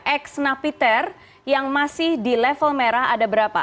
ex napiter yang masih di level merah ada berapa